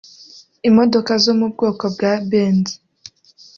imodoka zo mu bwoko bwa Benz